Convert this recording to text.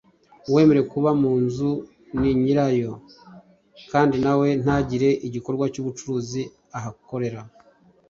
uwemerewe kuba mu nzu ni nyirayo kandi nawe ntagire igikorwa cy’ubucuruzi ahakorera